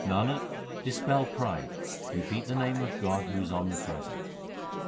Nanak, dispel pride, repeat the name of God who is omnipresent.